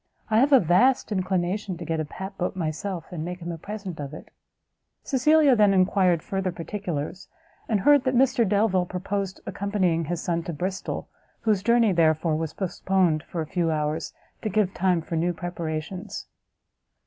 I have a vast inclination to get a pap boat myself, and make him a present of it." Cecilia then enquired further particulars, and heard that Mr Delvile purposed accompanying his son to Bristol, whose journey, therefore, was postponed for a few hours to give time for new preparations.